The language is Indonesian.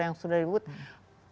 yang sudah dibutuhkan